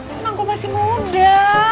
emang gue masih muda